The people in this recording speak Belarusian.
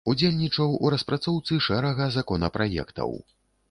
Удзельнічаў у распрацоўцы шэрага законапраектаў.